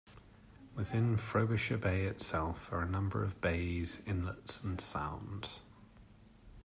Within Frobisher Bay itself are a number of bays, inlets and sounds.